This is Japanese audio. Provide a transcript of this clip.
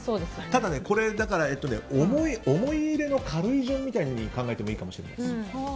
ただ、これは思い入れの軽い順みたいに考えてもいいかもしれないです。